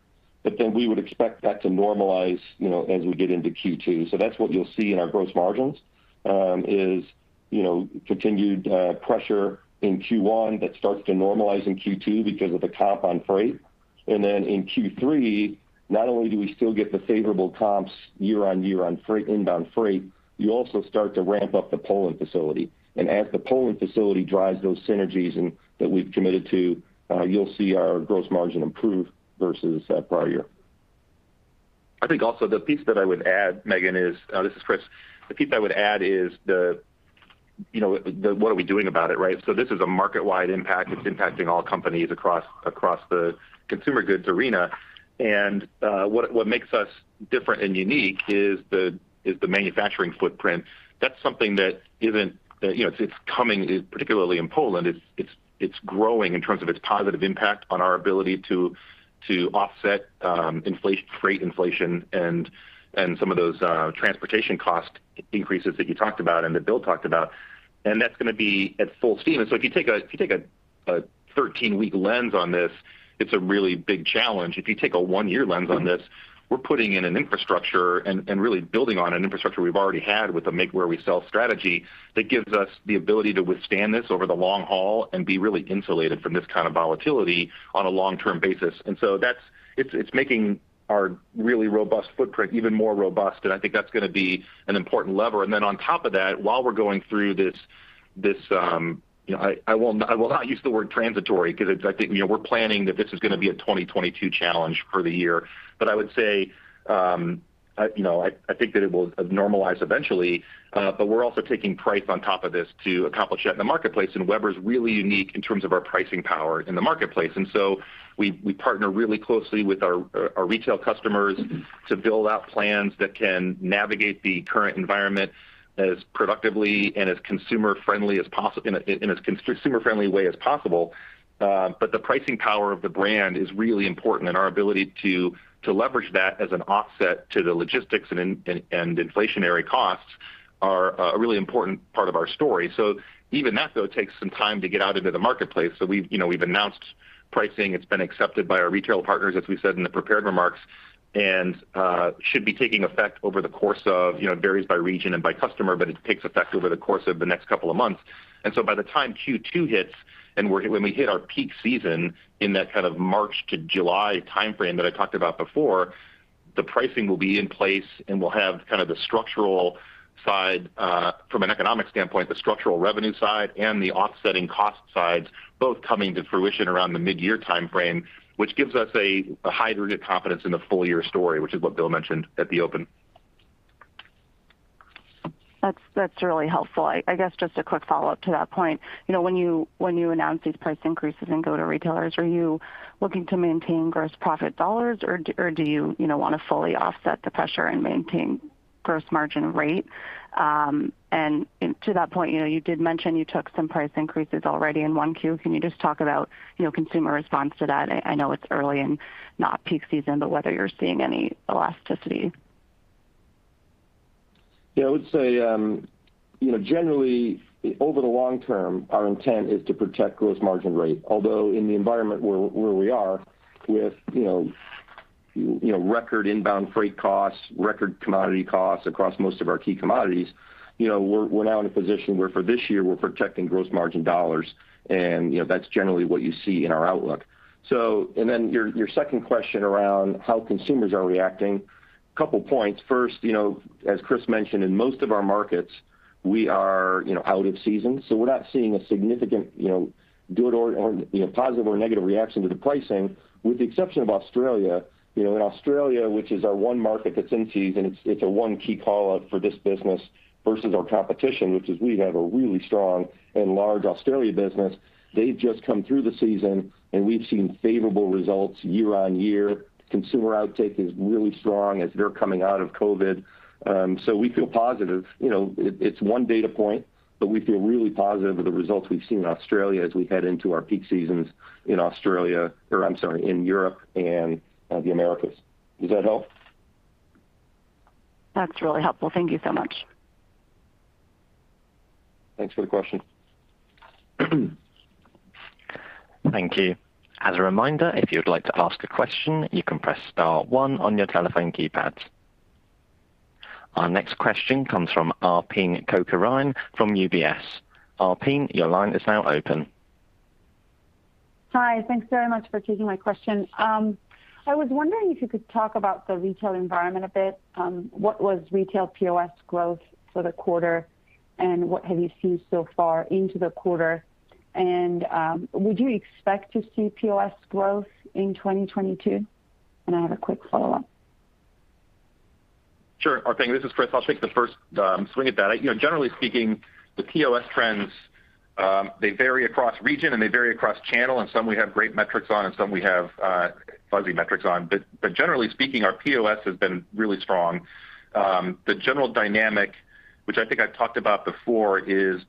We would expect that to normalize as we get into Q2. That's what you'll see in our gross margins is continued pressure in Q1 that starts to normalize in Q2 because of the comp on freight. In Q3, not only do we still get the favorable comps year-on-year on inbound freight, you also start to ramp up the Poland facility. As the Poland facility drives those synergies and that we've committed to, you'll see our gross margin improve versus prior year. I think also the piece that I would add, Megan, is. This is Chris. The piece I would add is the You know, what are we doing about it, right? This is a market-wide impact. It's impacting all companies across the consumer goods arena. What makes us different and unique is the manufacturing footprint. That's something that it's coming, particularly in Poland. It's growing in terms of its positive impact on our ability to offset inflation, freight inflation and some of those transportation cost increases that you talked about and that Bill talked about. That's gonna be at full steam. If you take a 13-week lens on this, it's a really big challenge. If you take a one-year lens on this, we're putting in an infrastructure and really building on an infrastructure we've already had with the make where we sell strategy that gives us the ability to withstand this over the long haul and be really insulated from this kind of volatility on a long-term basis. That's making our really robust footprint even more robust, and I think that's gonna be an important lever. On top of that, while we're going through this, you know, I will not use the word transitory 'cause it's. I think, you know, we're planning that this is gonna be a 2022 challenge for the year. I would say, you know, I think that it will normalize eventually, but we're also taking price on top of this to accomplish that in the marketplace. Weber is really unique in terms of our pricing power in the marketplace. We partner really closely with our retail customers to build out plans that can navigate the current environment as productively and as consumer-friendly as possible. The pricing power of the brand is really important, and our ability to leverage that as an offset to the logistics and inflationary costs are a really important part of our story. Even that, though, takes some time to get out into the marketplace. We've, you know, announced pricing. It's been accepted by our retail partners, as we said in the prepared remarks, and should be taking effect over the course of, you know, it varies by region and by customer, but it takes effect over the course of the next couple of months. By the time Q2 hits, when we hit our peak season in that kind of March to July timeframe that I talked about before, the pricing will be in place, and we'll have kind of the structural side, from an economic standpoint, the structural revenue side and the offsetting cost sides both coming to fruition around the mid-year timeframe, which gives us a high degree of confidence in the full-year story, which is what Bill mentioned at the open. That's really helpful. I guess just a quick follow-up to that point. You know, when you announce these price increases and go to retailers, are you looking to maintain gross profit dollars or do you know, wanna fully offset the pressure and maintain gross margin rate? To that point, you know, you did mention you took some price increases already in 1Q. Can you just talk about, you know, consumer response to that? I know it's early and not peak season, but whether you're seeing any elasticity. Yeah. I would say, you know, generally over the long term, our intent is to protect gross margin rate. Although in the environment where we are with, you know, record inbound freight costs, record commodity costs across most of our key commodities, you know, we're now in a position where for this year we're protecting gross margin dollars and, you know, that's generally what you see in our outlook. Your second question around how consumers are reacting, couple points. First, you know, as Chris mentioned, in most of our markets, we are, you know, out of season, so we're not seeing a significant, you know, positive or negative reaction to the pricing with the exception of Australia. You know, in Australia, which is our one market that's in season, it's a one key call-out for this business versus our competition, which is we have a really strong and large Australia business. They've just come through the season, and we've seen favorable results year-on-year. Consumer uptake is really strong as they're coming out of COVID, so we feel positive. You know, it's one data point, but we feel really positive of the results we've seen in Australia as we head into our peak seasons in Australia or, I'm sorry, in Europe and the Americas. Does that help? That's really helpful. Thank you so much. Thanks for the question. Thank you. As a reminder, if you'd like to ask a question, you can press star one on your telephone keypads. Our next question comes from Arpine Kocharyan from UBS. Arpine, your line is now open. Hi. Thanks very much for taking my question. I was wondering if you could talk about the retail environment a bit. What was retail POS growth for the quarter, and what have you seen so far into the quarter? Would you expect to see POS growth in 2022? I have a quick follow-up. Sure, Arpine. This is Chris. I'll take the first swing at that. You know, generally speaking, the POS trends, they vary across region, and they vary across channel, and some we have great metrics on and some we have fuzzy metrics on. Generally speaking, our POS has been really strong. The general dynamic, which I think I've talked about before, is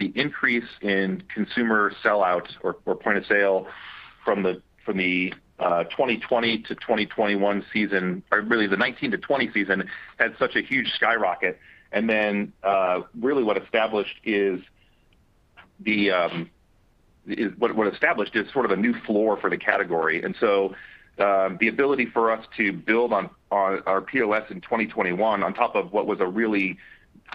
the increase in consumer sell-outs or point of sale from the 2020 to 2021 season or really the 2019 to 2020 season had such a huge skyrocket. Then, really what established is sort of a new floor for the category. The ability for us to build on our POS in 2021 on top of what was a really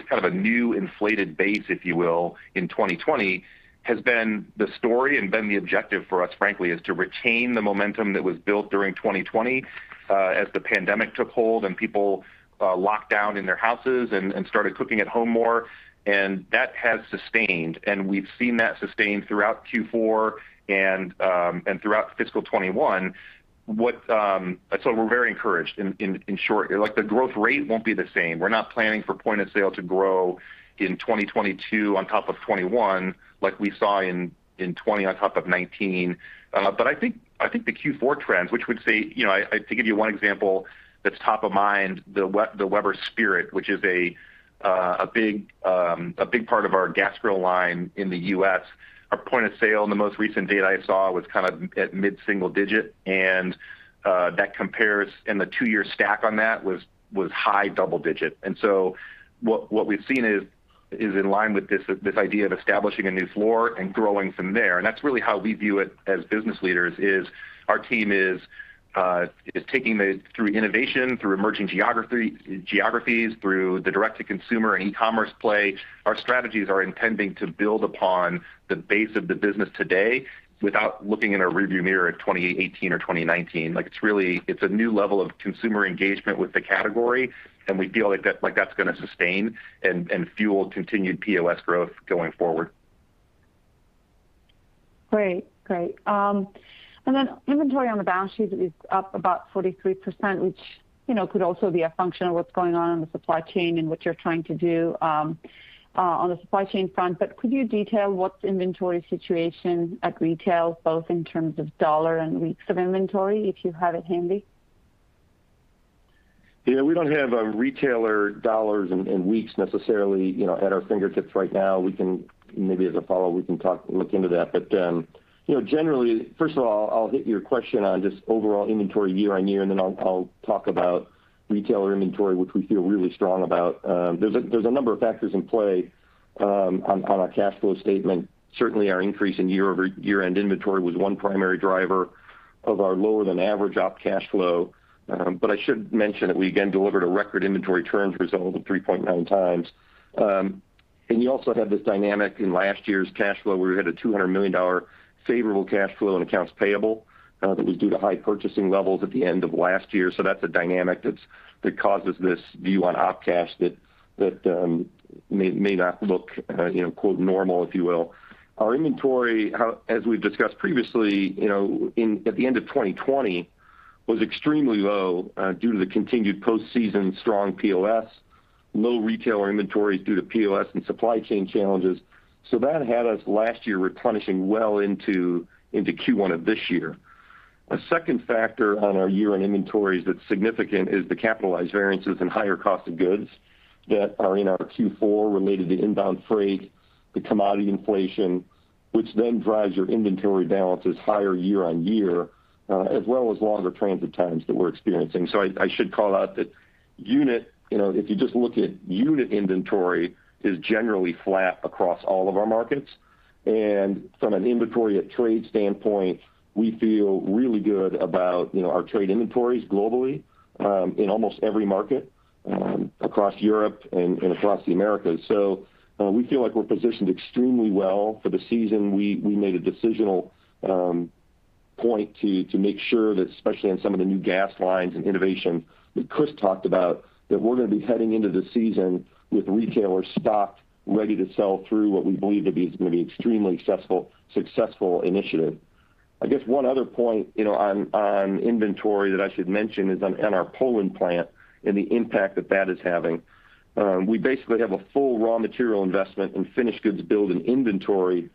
Kind of a new inflated base, if you will, in 2020 has been the story and been the objective for us, frankly, is to retain the momentum that was built during 2020, as the pandemic took hold and people locked down in their houses and started cooking at home more. That has sustained, and we've seen that sustain throughout Q4 and throughout fiscal 2021. We're very encouraged, in short. Like, the growth rate won't be the same. We're not planning for point-of-sale to grow in 2022 on top of 2021 like we saw in 2020 on top of 2019. But I think the Q4 trends, which would say, you know. To give you one example that's top of mind, the Weber Spirit, which is a big part of our gas grill line in the U.S., our point of sale in the most recent data I saw was kind of at mid-single digit, and that compares and the two-year stack on that was high double digit. What we've seen is in line with this idea of establishing a new floor and growing from there. That's really how we view it as business leaders, is our team is taking through innovation, through emerging geographies, through the direct-to-consumer and e-commerce play. Our strategies are intending to build upon the base of the business today without looking in a rearview mirror at 2018 or 2019. Like it's really, it's a new level of consumer engagement with the category, and we feel like that, like that's gonna sustain and fuel continued POS growth going forward. Great. Inventory on the balance sheet is up about 43%, which, you know, could also be a function of what's going on in the supply chain and what you're trying to do, on the supply chain front. Could you detail what's the inventory situation at retail, both in terms of dollar and weeks of inventory, if you have it handy? Yeah. We don't have retailer dollars and weeks necessarily, you know, at our fingertips right now. We can maybe as a follow-up look into that. You know, generally, first of all, I'll hit your question on just overall inventory year-on-year, and then I'll talk about retailer inventory, which we feel really strong about. There's a number of factors in play on our cash flow statement. Certainly, our increase in year-over-year-end inventory was one primary driver of our lower than average op cash flow. I should mention that we again delivered a record inventory turns result of 3.9 times. You also had this dynamic in last year's cash flow where we had a $200 million favorable cash flow in accounts payable that was due to high purchasing levels at the end of last year. That's a dynamic that causes this view on op cash that may not look, you know, quote normal, if you will. Our inventory, as we've discussed previously, you know, at the end of 2020 was extremely low due to the continued post-season strong POS, low retailer inventories due to POS and supply chain challenges. That had us last year replenishing well into Q1 of this year. A second factor on our year-end inventories that's significant is the capitalized variances and higher cost of goods that are in our Q4 related to inbound freight, the commodity inflation, which then drives your inventory balances higher year-over-year, as well as longer transit times that we're experiencing. I should call out that unit, you know, if you just look at unit inventory, is generally flat across all of our markets. From an inventory at trade standpoint, we feel really good about, you know, our trade inventories globally, in almost every market, across Europe and across the Americas. We feel like we're positioned extremely well for the season. We made a decision point to make sure that, especially on some of the new gas lines and innovation that Chris talked about, that we're gonna be heading into the season with retailers stocked, ready to sell through what we believe to be is gonna be extremely successful initiative. I guess one other point, you know, on inventory that I should mention is in our Poland plant and the impact that that is having. We basically have a full raw material investment in finished goods build and inventory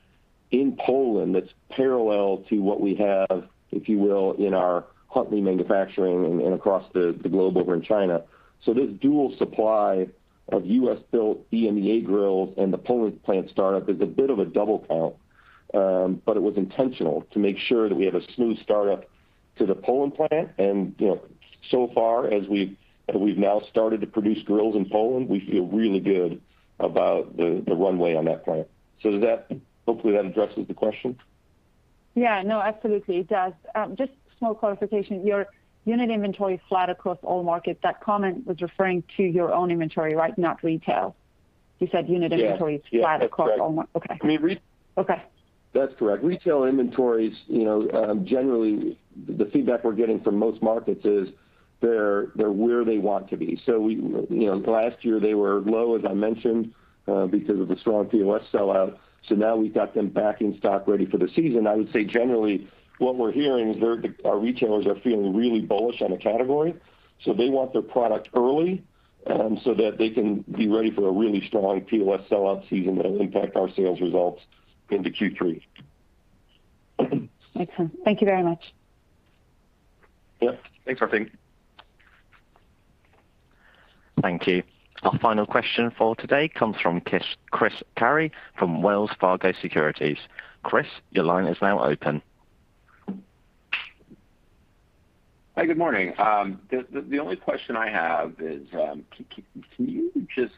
in Poland that's parallel to what we have, if you will, in our Huntley manufacturing and across the globe over in China. This dual supply of U.S.-built EMEA grills and the Poland plant startup is a bit of a double count, but it was intentional to make sure that we have a smooth startup to the Poland plant. You know, so far as we've now started to produce grills in Poland, we feel really good about the runway on that plant. Does that hopefully, that addresses the question. Yeah. No, absolutely it does. Just small clarification. Your unit inventory is flat across all markets. That comment was referring to your own inventory, right? Not retail. You said unit inventories- Yes. flat across all markets That's right. Okay. I mean. Okay. That's correct. Retail inventories, you know, generally the feedback we're getting from most markets is they're where they want to be. We, you know, last year they were low, as I mentioned, because of the strong POS sellout. Now we've got them back in stock ready for the season. I would say generally what we're hearing is our retailers are feeling really bullish on the category, so they want their product early, so that they can be ready for a really strong POS sellout season that'll impact our sales results into Q3. Excellent. Thank you very much. Yep. Thanks, Arpine. Thank you. Our final question for today comes from Chris Carey from Wells Fargo Securities. Chris, your line is now open. Hi. Good morning. The only question I have is, can you just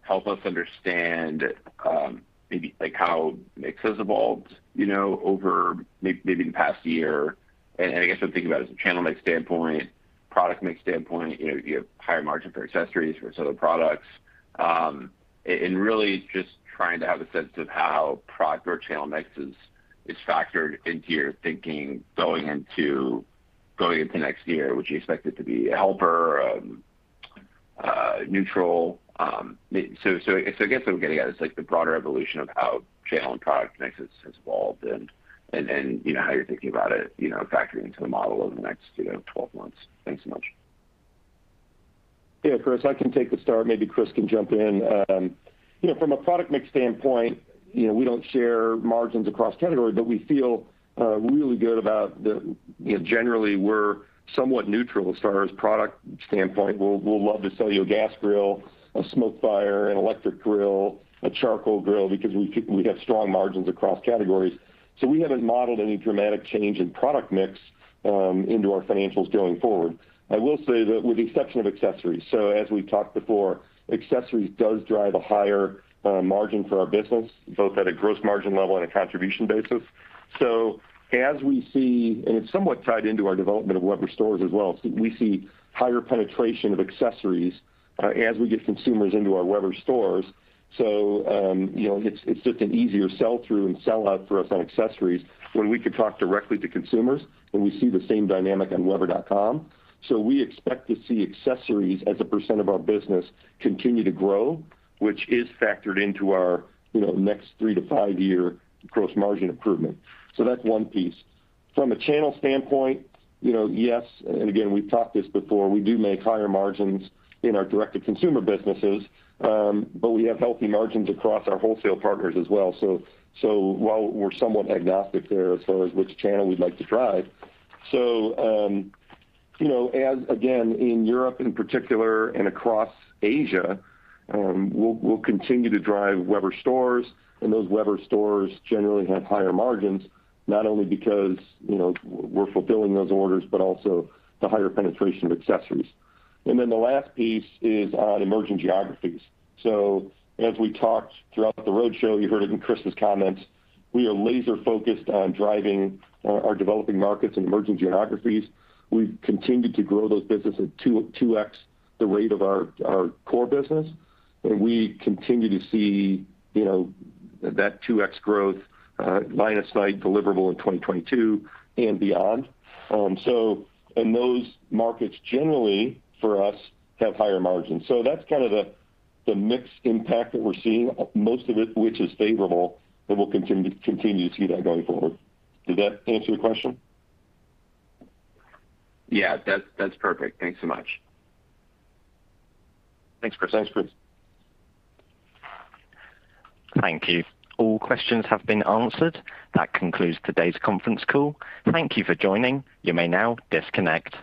help us understand, maybe like how mix has evolved, you know, over, maybe, in the past year. I guess I'm thinking about it as a channel mix standpoint, product mix standpoint, you know, do you have higher margin for accessories versus other products? Really just trying to have a sense of how product or channel mix is factored into your thinking going into next year. Would you expect it to be a headwind, neutral? I guess what I'm getting at is like the broader evolution of how channel and product mix has evolved and, you know, how you're thinking about it, you know, factoring into the model over the next twelve months. Thanks so much. Yeah, Chris, I can take the start. Maybe Chris can jump in. You know, from a product mix standpoint, you know, we don't share margins across category, but we feel really good about the, you know, generally we're somewhat neutral as far as product standpoint. We'll love to sell you a gas grill, a SmokeFire, an electric grill, a charcoal grill because we have strong margins across categories. We haven't modeled any dramatic change in product mix into our financials going forward. I will say that with the exception of accessories, so as we've talked before, accessories does drive a higher margin for our business, both at a gross margin level and a contribution basis. As we see, and it's somewhat tied into our development of Weber stores as well, so we see higher penetration of accessories as we get consumers into our Weber stores. You know, it's just an easier sell through and sell out for us on accessories when we can talk directly to consumers, and we see the same dynamic on weber.com. We expect to see accessories as a percent of our business continue to grow, which is factored into our, you know, next 3- to 5-year gross margin improvement. That's one piece. From a channel standpoint, you know, yes, and again, we've talked this before. We do make higher margins in our direct to consumer businesses, but we have healthy margins across our wholesale partners as well. While we're somewhat agnostic there as far as which channel we'd like to drive, you know, as again, in Europe in particular and across Asia, we'll continue to drive Weber stores, and those Weber stores generally have higher margins, not only because, you know, we're fulfilling those orders, but also the higher penetration of accessories. The last piece is on emerging geographies. As we talked throughout the roadshow, you heard it in Chris's comments, we are laser focused on driving our developing markets in emerging geographies. We've continued to grow those businesses 2x the rate of our core business, and we continue to see, you know, that 2x growth, line of sight deliverable in 2022 and beyond. Those markets generally for us have higher margins. That's kind of the mix impact that we're seeing, most of it, which is favorable, and we'll continue to see that going forward. Did that answer your question? Yeah, that's perfect. Thanks so much. Thanks, Chris. Thanks, Chris. Thank you. All questions have been answered. That concludes today's conference call. Thank you for joining. You may now disconnect.